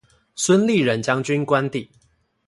孫立人將軍官邸